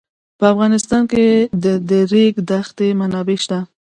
په افغانستان کې د د ریګ دښتې منابع شته.